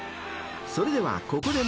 ［それではここで］